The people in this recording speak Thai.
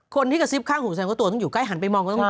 คนที่กระซิบข้างหูฉันก็ตัวต้องอยู่ใกล้หันไปมองก็ต้อง